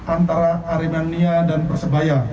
antara aremania dan persebaya